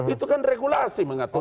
itu kan regulasi mengaturkan